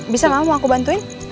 bisa gak mau aku bantuin